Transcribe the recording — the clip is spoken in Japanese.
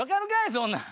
そんなん。